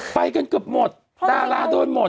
ไปกันเกือบหมดดาราโดนหมด